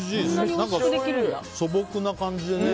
何か素朴な感じでね。